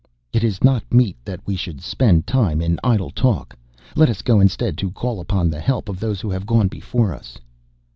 "It is not meet that we should spend time in idle talk. Let us go instead to call upon the help of those who have gone before us."